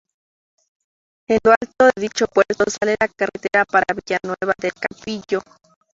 En lo alto de dicho puerto sale la carretera para Villanueva del Campillo.